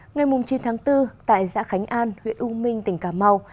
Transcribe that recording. ngày chín tháng bốn tại xã khánh an huyện u minh tỉnh cà mau